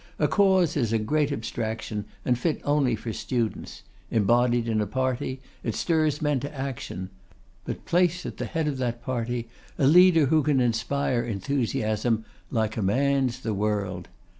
A cause is a great abstraction, and fit only for students; embodied in a party, it stirs men to action; but place at the head of that party a leader who can inspire enthusiasm, he commands the world.